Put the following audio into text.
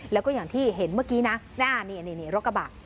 แล้วก็อย่างที่เห็นเมื่อกี้นะนี่รถกระบะ